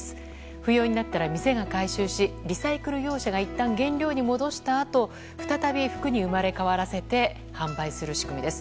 不要になったら店が回収しリサイクル業者がいったん原料に戻したあと再び服に生まれ変わらせて販売する仕組みです。